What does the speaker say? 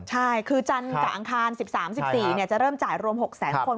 ใช่คือจันทร์กับอังคาร๑๓๑๔จะเริ่มจ่ายรวม๖แสนคน